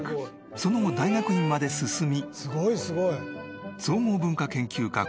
その後大学院まで進み。